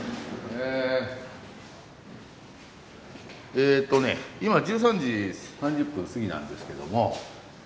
えっとね今１３時３０分過ぎなんですけどもこれですね。